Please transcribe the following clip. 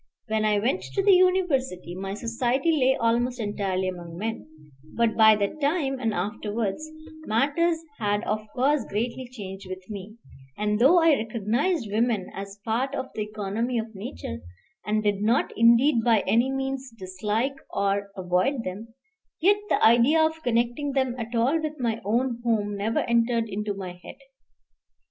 When I went to the university, my society lay almost entirely among men; but by that time and afterwards, matters had of course greatly changed with me, and though I recognized women as part of the economy of nature, and did not indeed by any means dislike or avoid them, yet the idea of connecting them at all with my own home never entered into my head.